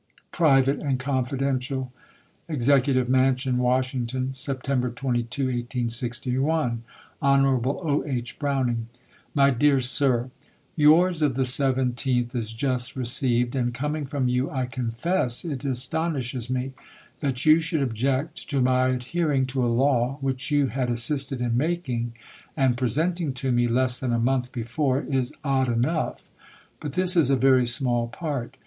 [Private and Confidential.] Executive Mansion, Washington, Sept. 22, 1861. Hon. O. H. Browning. My Dear Sir : Yours of the 17th is just received ; and coming from you, I confess it astonishes me. That you should object to my adhering to a law, which you had assisted in making, and presenting tome, less than a month before, is odd enough. But this is a very smaU part.